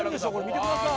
見てください。